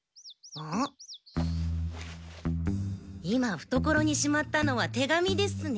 今ふところにしまったのは手紙ですね。